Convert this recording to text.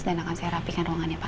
dan akan saya rapikan ruangannya pak